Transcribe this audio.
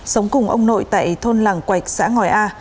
sống cùng ông nội tại thôn làng quạch xã ngòi a